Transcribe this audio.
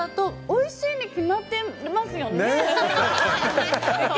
おいしいに決まっていますよね。